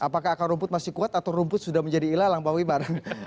apakah akar rumput masih kuat atau rumput sudah menjadi ilalang pak wibar